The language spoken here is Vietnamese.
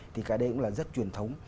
thì cái đấy cũng là rất truyền thống